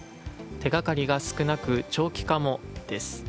手がかりが少なく、長期化もです。